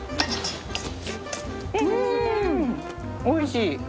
おいしい。